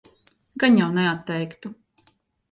Gan jau neatteiktu.